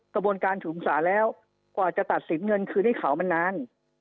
กระบวนการสูงสารแล้วกว่าจะตัดสินเงินคืนให้เขามันนาน